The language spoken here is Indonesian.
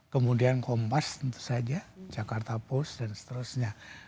kemudian kompas tentu saja jakarta post dan seterusnya